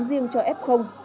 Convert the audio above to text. riêng cho f